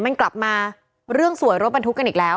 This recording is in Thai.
มันกลับมาเรื่องสวยรถบรรทุกกันอีกแล้ว